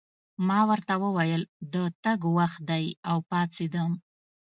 ما ورته وویل: د تګ وخت دی، او پاڅېدم.